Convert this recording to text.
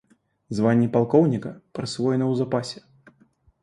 Званне палкоўніка прысвоена ў запасе.